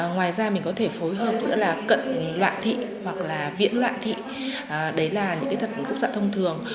ngoài ra mình có thể phối hợp nữa là cận loạn thị hoặc là viễn loạn thị đấy là những tật khúc xạ thông thường